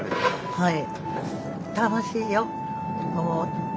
はい。